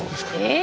え！